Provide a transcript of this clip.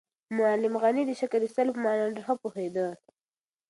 معلم غني د شکر ایستلو په مانا ډېر ښه پوهېده.